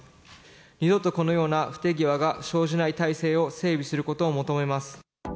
二度とこのような不手際が生じない体制を整備することを求めます。